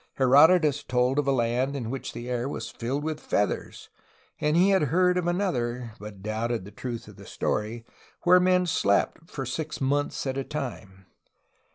Herodotus told of a land in which the air was filled with feathers, and he had heard of another (but doubted the truth of the story) where men slept for six months at a time.